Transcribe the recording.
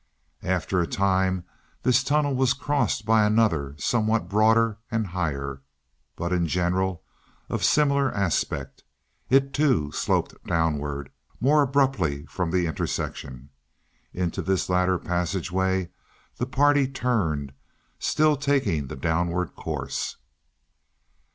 After a time this tunnel was crossed by another somewhat broader and higher, but in general of similar aspect. It, too, sloped downward, more abruptly from the intersection. Into this latter passageway the party turned, still taking the downward course.